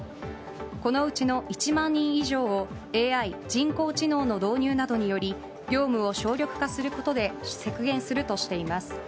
このうちの１万人以上をＡＩ・人工知能の導入などにより業務を省力化することで削減するとしています。